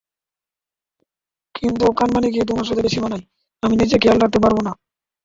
কিন্তু কানমাণিকেই তোমার সাথে বেশি মানায়, আমি নিজের খেয়াল রাখতে পারবো।